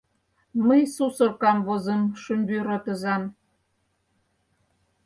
Мый сусыр камвозым — шӱмвӱротызан.